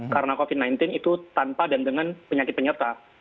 karena covid sembilan belas itu tanpa dan dengan penyakit penyerta